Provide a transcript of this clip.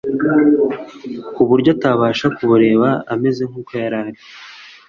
ku buryo atabasha kubureba ameze nk'uko yari ari.